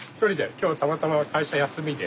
今日たまたま会社休みで。